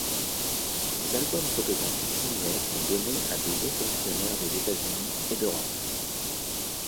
Des albums photographiques similaires sont donnés à de hauts fonctionnaires des États-Unis et d'Europe.